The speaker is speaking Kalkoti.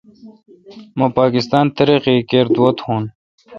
مہ پاکستان ترقی کر دعا تو